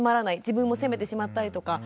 自分も責めてしまったりとか。